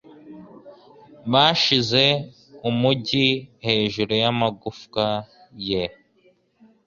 Bashinze umugi hejuru y'amagufwa ye